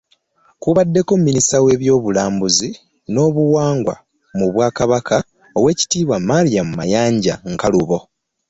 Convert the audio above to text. Kubaddeko minisita w'ebyobulambuzi n'obuwangwa mu bwakabaka oweekitiibwa Mariam Mayanja Nkalubo